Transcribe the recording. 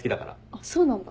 あっそうなんだ。